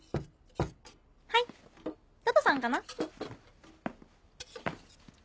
はいトトさんかな？